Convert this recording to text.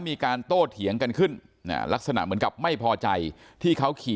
มีการโต้เถียงกันขึ้นลักษณะเหมือนกับไม่พอใจที่เขาขี่